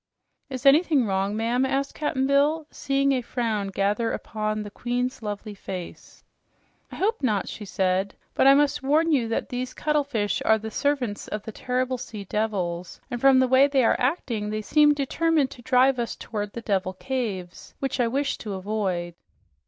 "Is anything wrong, ma'am?" asked Cap'n Bill, seeing a frown gather upon the queen's lovely face. "I hope not," she said. "But I must warn you that these cuttlefish are the servants of the terrible sea devils, and from the way they are acting they seem determined to drive us toward the Devil Caves, which I wished to avoid."